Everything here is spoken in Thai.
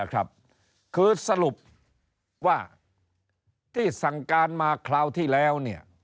คือสรุปว่าที่สั่งการมาคราวที่แล้ว